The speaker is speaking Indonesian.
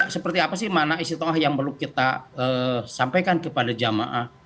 seperti apa sih mana isi toha yang perlu kita sampaikan kepada jamaah